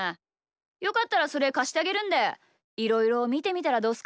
よかったらそれかしてあげるんでいろいろみてみたらどうっすか？